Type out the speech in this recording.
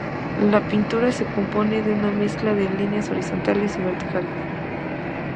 La pintura se compone de una mezcla de líneas horizontales y verticales.